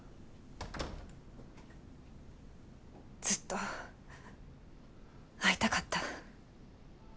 ずっと会いたかった。